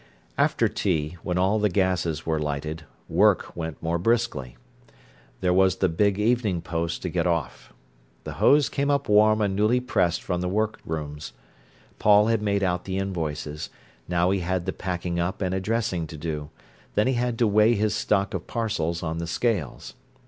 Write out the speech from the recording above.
After tea, when all the gases were lighted, work went more briskly. There was the big evening post to get off. The hose came up warm and newly pressed from the workrooms. Paul had made out the invoices. Now he had the packing up and addressing to do, then he had to weigh his stock of parcels on the scales.